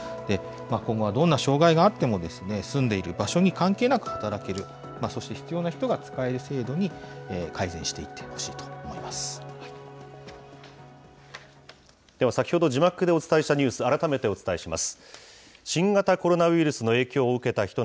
今後はどんな障害があっても、住んでいる場所に関係なく働ける、そして必要な人が使える制度に改では先ほど字幕でお伝えしたニュース、改めてお伝えします。